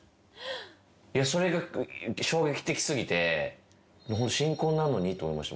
それが衝撃的過ぎて新婚なのにと思いました。